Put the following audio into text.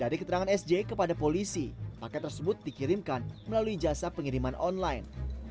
dari keterangan sj kepada polisi paket tersebut dikirimkan melalui jasa pengiriman online